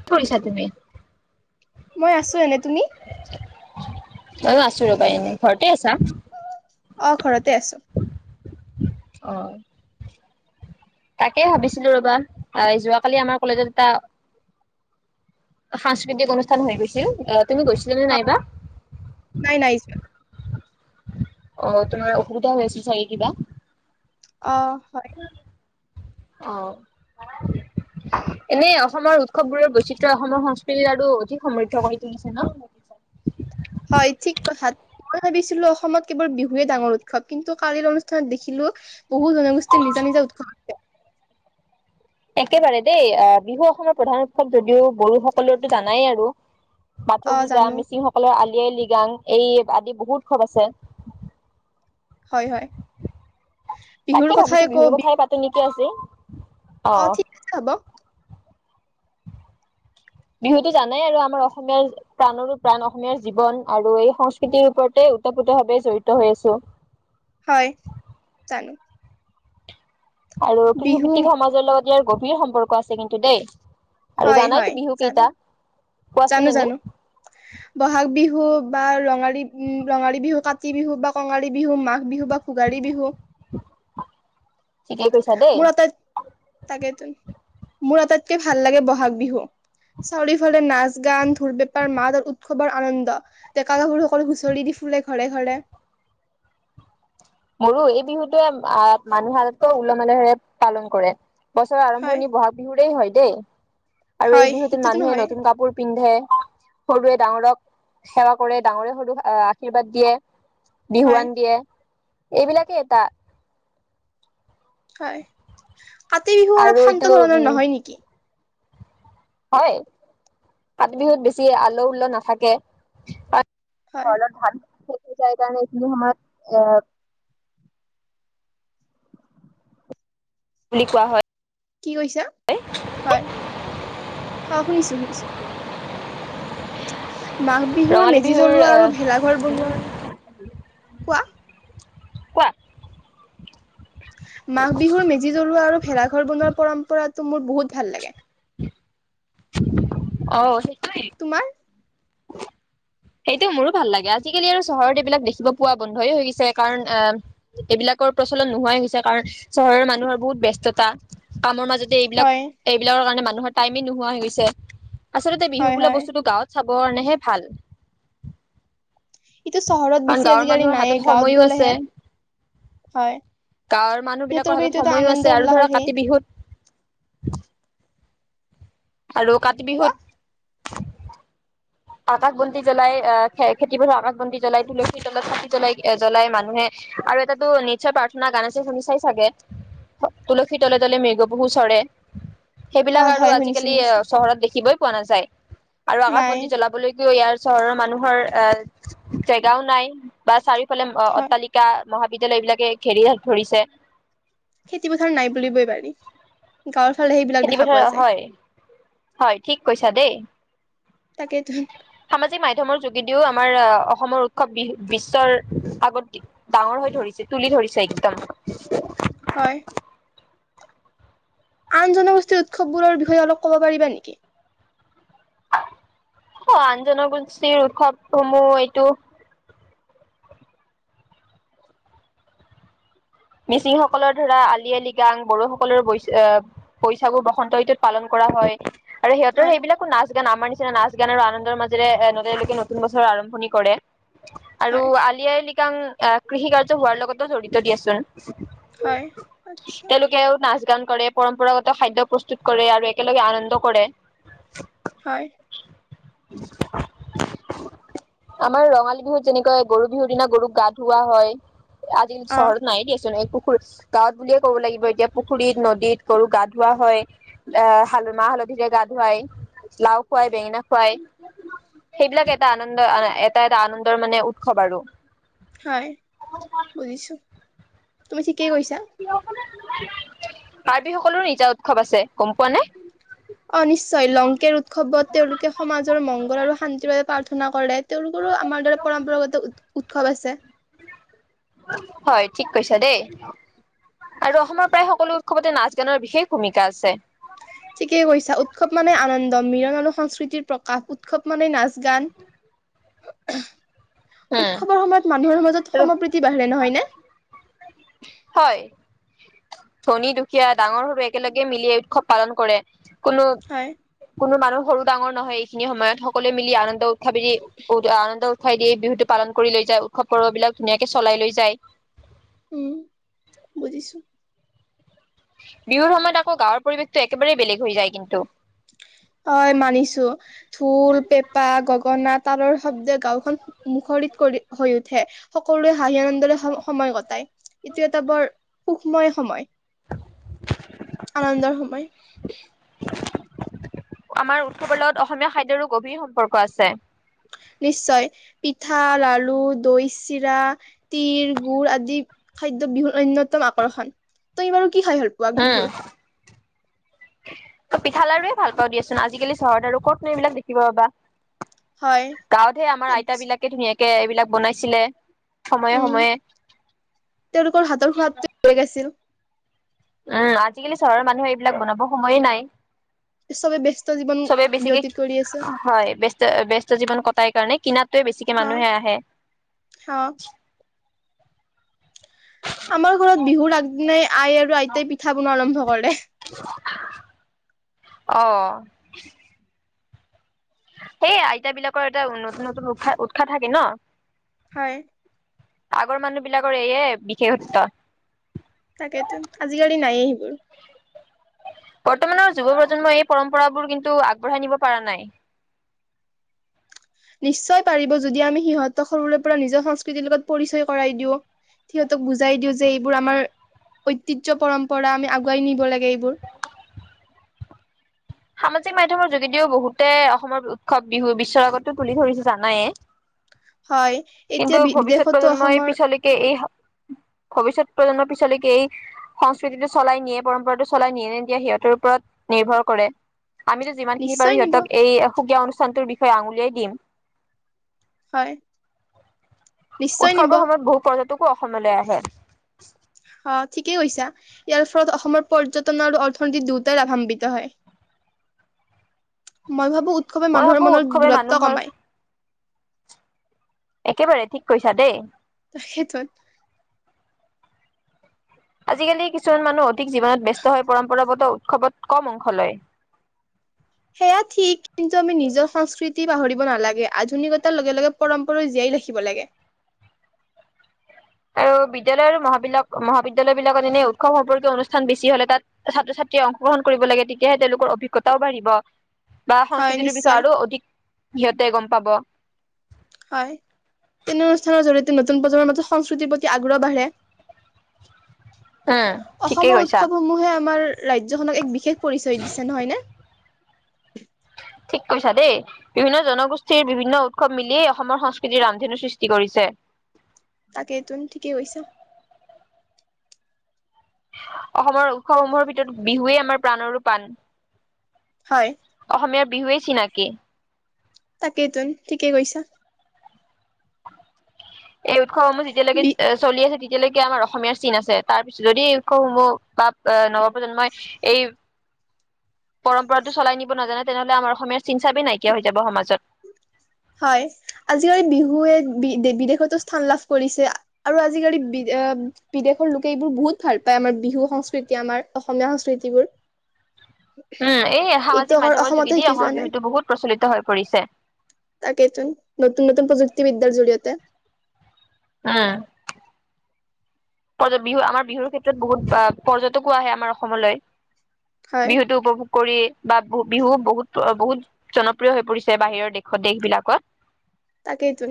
কি কৰিছা তুমি মই আছো এনে তুমি এই আছো ৰবা ঘৰতে আছা অ ঘৰতে আছো অ। তাকে ভাবিছিলো ৰবা যোৱাকালি আমাৰ কলেজত এটা সাংস্কৃতিক অনুষ্ঠান হৈ গৈছিল তুমি গৈছিলা নে অ নাইবা। নাই নাই যোৱা অ তোমাৰ অসুবিধা হৈ আছিল চাগে কিবা অ হয় অ এনে অসমৰ উৎসৱবোোৰৰে বৈচিত্ৰয় অসমৰ সংস্কৃতি আৰু অধিক সমৃদ্ধ কৰি তুলিছে ন হয় ঠিক কথা মই ভাবিছিলো অসমত কেৱল বিহুৱে ডাঙৰ উৎসৱ কিন্তু কালিৰ অনুষ্ঠানত দেখিলো বহু জনগোষ্ঠীৰ নিজা নিজা উৎসৱ থাকে একেবাৰে দেই আহ বিহু অসমৰ প্ৰধান উৎসৱ যদিও বড়োসকলৰো জানাই আৰু বাথ অ পূজা জানো মিচিংসকলৰ আলি আই লৃগাং এই আদি বহু উৎসৱ আছে। হয় হয় বিহুৰ কথাই কওঁ কৈছে অ ঠিক আছে হব। বিহুতো জানাই আৰু আমাৰ অসমীয়াৰ প্ৰাণৰো প্ৰাণ অসমীয়াৰ জীৱন আৰু এই সংস্কৃতিৰ ওপৰতে ওতঃপ্ৰোতভাৱে জৰীত হৈ আছো হয় জানো। আৰু বিহু কৃষিভিত্তিক সমাজৰ লগত ইয়াৰ গভীৰ সম্পৰ্ক আছে কিন্তু দেই। আৰু হয় হয় জানাইতো বিহু জানো কেইটা। কোৱাচোন জানো এনে জানো বহাগ বিহু। বা ৰঙালী উ ৰঙালী বিহু কাতি বিহু বা কঙালী বিহু মাঘ বিহু বা ভোগালী বিহু। ঠিকেই কৈছা দেই মোৰ আটাই তাকেতো। মোৰ আটাইতকে ভাল লাগে বহাগ বিহু, চাৰিওফালে নাচ। গান ঢ়োল পেপাৰ মাত আৰু উৎসৱৰ আনন্দ ডেকা গাভৰুসকল হুঁচৰি দি ফুৰে ঘৰে ঘৰে। মোৰো এই বিহুটোৱে আহ মানুহ আগতকৈ ওলহ মালহেৰে পালন কৰে। বছৰ হয় আৰম্ভণিৰ বহাগ বিহুৰে হয়। দে [inaudible] [inaudible] আৰু এই হয় বিহুতোত সিটোতো মানুহে নহয় নতুন কাপোৰ পিন্ধে। সৰুৱে ডাঙৰক সেৱা কৰে ডাঙৰে সৰুক আশীৰ্বাদ দিয়ে। হয়। বিহুৱান দিয়ে। এইবিলাকেই এটা। হয়। কাতি বিহু অলপ আৰু শান্ত এইটো উম ধৰণৰ নহয় নেকি? হয় কাতি বিহুত বেছি আলহ উল্ল নাথাকে। হয় ধ্মিক [unintelligible] যায়গা নছিলিমাৰ বুলি কোৱা হয়। কি কৈছা? হয়। অ শুনিছো শুনিছো। মাঘ বিহুৰ ৰঙালী মেজি জ্বলোৱা আৰু আহ ভেলাঘৰ বনোৱা! কোৱা? কোৱা? মাঘ বিহুৰ মেজি জ্বলোৱা আৰু ভেলা ঘৰ বনোৱা পৰম্প পৰাতো মোৰ বহুত ভাল লাগে। অ। সেইটোৱে তোমাৰ? সেইটো মোৰো ভাল লাগে আজিকালি আৰু চহৰত এইবিলাক দেখিব পোৱা বন্ধইে হৈ গৈছে কাৰণ আহ এইবিলাকৰ প্ৰচলন নোহোৱাই হৈছে কাৰণ চহৰৰ মানুহৰ বহুত ব্যস্ততা কামৰ মাজত। যে এইবিলাক, হয় এইবিলাকৰ কাৰণে মানুহৰ টাইমে নোহোৱা হৈ গৈ। আচলতে হয় বিহু বোলা হয়। বস্তুটো গাঁত চাব বৰ্ণেহে ভাল ইটো চহৰত কাৰণ বেছি গাঁৱৰ আজিকালি মানুহৰ নায়ে হাতত গাঁৱত সময়ো আছে। গ'লেহে হয় গাঁৱৰ মানুহ সিহঁতৰ বিলাকৰ বাবে এইটো হাতত এটা সময়ো আনন্দ আছে আৰু উল্লাহৰ ধৰা সেই কাতি বিহুত [unintelligible] আৰু কাতি কোৱা বিহুত [unintelligible] আকাশ বন্তি জ্বলাই আহ খে খেতিপথাৰ আকাশ বন্তি জ্বলাই, তুলসীৰ তলত চাকি জ্বলাই জ্বলাই মানুহে আৰু এটাটো নিশ্চয় প্ৰাৰ্থনা গান আছে শুনি চাই চাগে তুলসীৰ তলে তলে মৃগপহু চৰে। সেইবিলাক হয় আৰু হয় শুনিছো আজিকালি শুনিছো চহৰত দেখিবই পোৱা নাযায়। আৰু আকাশ নাই বন্তি জ্বলাব লৈকো চহৰৰ মানুহৰ জেগাও নাই বা চাৰিও ফালে হয় অট্টালিকা মহাবিদ্যালয়বিলাকে ঘেৰি হে ধৰিছে। খেতি পথাৰ নাই বুলিবই পাৰি গাঁৱৰ সেইবিলাক খেতি দেখা পথাৰ পোৱা যায়। হয় হয় ঠিক কৈছা দেই তাকেইতো সামাজিক মাধ্যমৰ যোগেদি যদিও আমাৰ অসমৰ উৎসৱ বি বিশ্বৰ আগত ডাঙৰ হৈ ধৰিছে তুলি ধৰিছে একদম হয় আন জনগোষ্ঠীৰ উৎসৱবোৰৰ বিষয়ে অলপ ক'ব পাৰিবা নেকি? অ আন জনগোষ্ঠীৰ উৎসৱসমূহ এইটো মিচিং সকলৰ ধৰা আলি আই লৃগাং, বড়ো সকলৰ ব আহ বৈছাগু বসন্ত ঋতুত পালন কৰা হয়। আৰু সিহঁতৰ হয় সেইবিলাকো নাচ আমাৰ নিচিনা নাচ গান আৰু আনন্দৰ মাজেৰে নদীৰলৈকে নতুন বছৰ আৰম্ভণি কৰে। আৰু হয় আলি আই লিগাং কৃষি কাৰ্য হোৱাৰ লগতও জড়িত দিয়াচোন হয় আচ্ছা তেওঁলোকেও নাচ গান কৰে পৰম্পৰাগত খাদ্য প্ৰস্তুত কৰে আৰু একেলগে আনন্দ কৰে হয় আমাৰ ৰঙালী বিহুত যেনেকৈ গৰু বিহুৰ দিনা গৰুক গা ধুওৱা হয় আজি কালি অ চহৰত নাইদিয়া। এই পুখুৰী, গাঁৱত বুলিয়ে ক'ব লাগিব এতিয়া পুখুৰীত নদীত গৰু গা ধোৱা হয়। আহ হাল মাহ হালধিৰে গা ধুৱাই, লাও খুৱাই, বেঙেনা খুৱাই সেইবিলাক এটা আনন্দ এটা এটা আনন্দৰ মানে উৎসৱ আৰু হয় বুজিছো তুমি ঠিকেই কৈছা কাৰ্বি সকলো নিজা উৎসৱ আছে গম পোৱা নে? অ নিশ্চয় লংকেৰ উৎসৱত তেওঁলোকে সমাজৰ মংগল আৰু শান্তিৰ বাবে প্ৰাৰ্থনা কৰে। তেওঁলোকৰো আমাৰ দৰে পৰম্পৰাগত উ উৎসৱ আছে। হয় ঠিক কৈছা দেই। আৰু অসমৰ প্ৰায় সকলো খৱতে নাচ গানৰ বিশেষ ভূমিকা আছে ঠিকে কৈছা উৎসৱ মানে আনন্দ মিৰন আৰু সংস্কৃতিৰ প্ৰকাশ উৎসৱ মানে নাচ গান [inaudible] উম উৎসৱৰ সময়ত মানুহৰ মাজত আৰু সমপ্ৰীতি বাঢ়িলে নহয়নে হয় ধনী দুখীয়া ডাঙৰ সৰু একেলগে মিলি উৎসৱ পালন কৰে। কোনো হয়। কোনো মানুহ সৰু ডাঙৰ নহয় এইখিনি সময়ত সকলোৱে মিলি আনন্দ তথাপি আনন্দ উ উাই দিয়ে বিহু টো পালন কৰি লৈ যায় উৎসৱ পৰ্ব বিলাক ধুনীয়াকে চলাই লৈ যায় উম বুজিছো বিহুৰ সময়ত আকৌ গাঁৱৰ পৰিৱেশতো একেবাৰেই বেলেগ হৈ যায় কিন্তু হয় মানিছো। ঢোল, পেঁপা, গগনা, তালৰ শব্দই গাওখন মুখৰিত কৰি হৈ উঠে সকলোৱে হাঁহি আনন্দৰে সম সময় কটায় এইটো এটা বৰ সুক্ষময় সময় আনন্দৰ সময় আমাৰ উৎসৱৰ লগত অসমীয়া খাদ্যৰো গভীৰ সম্পৰ্ক আছে নিশ্চয় পিঠা লাৰু দৈ চিৰা তিল গুুৰ আদি খাদ্য বিহুৰ অন্যতম আকৰ্ষণ তই বাৰু কি খাই হ'ল পোৱাক উম বিহুৰ পিঠা লাাৰুে ভাল পাও দিয়াচোন আজিকালি চহৰত আৰু কতন এইবিলাক দেখিব পাবা হয়। গাঁৱতহে আমাৰ আইতা বিলাকে ধুনীয়াকে এইবিলাক বনাইছিলে সময়ে উম সময়ে তেওঁলোকৰ হাতৰ সোৱাদটো বেলেগ আছিল উ আজিকালি চহৰৰ মানুহে এইবিলাক বনাব সময়ে নাই। চবে ব্যস্ত জীৱন চবে বেছিকে ব্যতীত কৰি আছে হয় ব্যস্ত ব্যস্ত জীৱন কটাই কাৰণে কিনাটোৱে বেছিকে হা মানুহে আহে হা আমাৰ ঘৰত বিহুৰ আগদিনাই আই আৰু আইতাই পিঠা বনাোৱা আৰম্ভ কৰে অহ সেই আইতা বিলাকৰ এটা নতুন নতুন উৎসাহ উৎসাহ থাকে ন হয় আগৰ মানুহ বিলাকৰ এইয়ে বিশেষত্ব। তাকেতো আজিকালি নায়েই সেইবোৰ বৰ্তমানৰ যুৱ প্ৰজন্মই এই পৰম্পৰাবোৰ কিন্তু আগবঢ়াই নিব পৰা নাই নিশ্চয় পাৰিব যদি আমি সিহঁতক সৰুৰে পৰা নিজৰ সংস্কৃতিৰ লগত পৰিচয় কৰাই দিও সিহঁতক বুজাই দিও যে এইবোৰ আমাৰ ঐতিহ্য পৰম্পৰা আমি আগুৱাই নিব লাগে এইবোৰ সামাজিক মাধ্যমৰ যোগেদিও বহুতে অসমৰ উৎসৱ বিহু বিশ্বৰ আগতো তুলি ধৰিছে জানায়ে হয় এতিয়া কিন্তু বি ভৱিষ্যত বিদেশতো প্ৰজন্মই অসমৰ পিছলৈকে এই ভৱিষ্যত প্ৰজন্মৰ পিছলৈকে এই সংস্কৃতিটো চলাই নিয়ে পৰম্পৰাটো চলাই নিয়ে এনে দিয়া সিহঁতৰ ওপৰত নিৰ্ভৰ কৰে আমিতো যিমানখিনি নিশ্চয় পাৰো নিব সিহঁতক এই সুকীয়া অনুষ্ঠানটোৰ বিষয়ে য়ে আঙুলিয়াই দিম হয় নিশ্চয় নিব উৎসৱৰ সময়ত বহু পৰ্য্য। টোকো অসমলৈ আহে। অ ঠিকেই কৈছা ইয়াৰ ফলত অসমৰ পৰ্যটন আৰু অৰ্থনীতি দুয়টাই লাভাম্বিত হয়। মই ভাবো উৎসৱে মই ভাবো মানুহৰ মনত উৎসৱে দূৰত্ব মানুহৰ কমায়। একেবাৰে ঠিক কৈছা দেই। ক্ষেত্ৰত। আজিকালি কিছুমান মানুহ অধিক জীৱনত ব্যস্ত হৈ পৰম্পৰাগত উৎসৱত কম অংশ লয়। সেয়া ঠিক কিন্তু আমি নিজৰ সংস্কৃতি পাহৰিব নালাগে আধুনিকতাৰ লগে লগে পৰম্পৰাও জীয়াই ৰাখিব লাগে। আৰু বিদ্যালয় আৰু মহাবিলক মহাবিদ্যালয় বিলাকত এনে উৎসৱ সম্পৰ্কীয় অনুষ্ঠ খন বেছি হলে তাত ছাত্ৰ ছাত্ৰীয়ে অংশগ্ৰহণ কৰিব লাগে তেতিয়াহে তেওঁলোকৰ অভিজ্ঞতাও বাঢ়িব। বা হয় সংস্কৃতিটোৰ বিষয়ে নিশ্চয় আৰু অধিক। সিহঁতে গম পাব। হয় তেনে অনুষ্ঠানৰ জৰিয়তে নতুন প্ৰজন্মৰ মাজত সংস্কৃতিৰ প্ৰতি আগ্ৰহ বাঢ়ে। উম ঠিকেই অসমৰ কৈছা উৎসৱ সমূহে আমাৰ। ৰাজ্যখনক এক বিশেষ। পৰিচয় দিছে নহয় নে। ঠিক কৈছা দেই বিভিন্ন জনগোষ্ঠীৰ বিভিন্ন উৎসৱ মিলিয়েই অসমৰ সংস্কৃতিৰ ৰামধেনু সৃষ্টি কৰিছে। তাকে তুমি ঠিকেই কৈছা। অসমৰ উৎসৱসমূহৰ ভিতৰত বিহুৱেই আমাৰ প্ৰাণৰো পাণ হয় অসমীয়া বিহুৱেই। চিনাকি। তাকেই তোন ঠিকে কৈছা। এই উৎসৱসমূহ যেতিয়ালৈকে বি চলি আছে। এতিয়ালৈকে আমাৰ অসমীয়াৰ চিন আছে তাৰ পিছত যদি উৎসৱসমূহ বা আহ নৱপ্ৰজন্মই এই পৰম্পৰাতটো চলাই নিব নাজানে তেনেহলে আমাৰ অসমীয়াৰ চিন চাবেই নাইকিয়া হৈ যাব সমাজত। হয় আজিকালি বিহুৱে বিদেশ বিদেশতো স্থান লাভ কৰিছে আৰু আজিকালি বি বিদেশৰ লোকে এইবোৰ বহুত ভাল পায় আমাৰ বিহু সংস্কৃতি আমাৰ অসমীয়া সংস্কৃতিবোৰ। উম এই এইটো সামাজিক অকল মাধ্যমৰ অসমতে যোগেদি শিকি আমাৰ যোৱা নাই বিহুতটো বহুত প্ৰচলিত হৈ পৰিছে। নতুন নতুন প্ৰযুক্তিবিদ্যাৰ জৰিয়তে। উম। বিহু আমাৰ বিহুৰ ক্ষেত্ৰত বহুত পৰ্যটকো আহে আমাৰ অসমলৈ। হয় বিহুতটো উপভোগ। কৰি বা বিহু বহুত বহুত জনপ্ৰিয় হৈ পৰিছে বাহিৰৰ দেশত দেশ বিলাকত। তাকেই তো।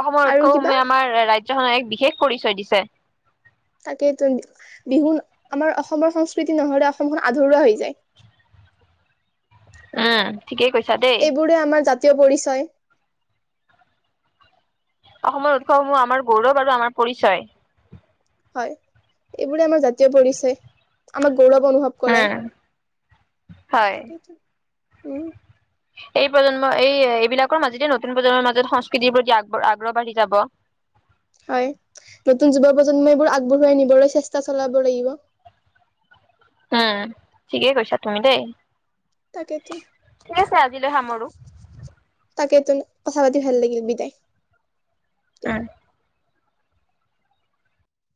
অসমৰ আৰু কিবা উৎসসমূহে আমাৰ ৰাজ এক বিশেষ পৰিচয় দিছে। তাকেইটো বিহু আমাৰ অসমৰ সংস্কৃতি নহলে অসমখন আধৰুৱা হৈ যায়। উম। ঠিকেই কৈছা দেই। এইবোৰে আমাৰ পৰিচয়। অসমৰ উৎসৱসমূহ আমাৰ গৌৰৱ আৰু আমাৰ পৰিচয়। হয় এইবোৰে আমাৰ জাতীয় পৰিচয় আমাক গৌৰৱ অনুভৱ কৰে উম হয় তাকেই উম। এই প্ৰজন্মৰ এই এইবিলাকৰ মাজেতে নতুন প্ৰজন্মৰ মাজত সংস্কৃতিৰ প্ৰতি আগ আগ্ৰহ বাঢ়ি যাব হয় নতুন যুৱ প্ৰজন্মইবোৰ আগবঢ়োৱাই নিবলৈ চেষ্টা চলাব লাগিব। উম ঠিকেই কৈছা তুমি দেই তাকেতো ঠিক আছে আজিলৈ সামৰো তাকে তো কথা পাতি ভাল লাগিল বিদাই উম